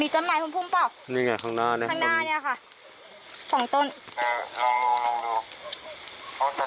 ที่ลงไปเล็ก๖เท่านั้นที่จะเปิดก็คือ๖วัน